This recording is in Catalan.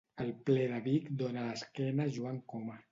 El ple de Vic dona l'esquena a Joan Coma